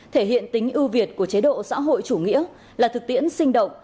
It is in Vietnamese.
thể hiện tính ưu việt của chế độ xã hội chủ nghĩa là thực tiễn sinh động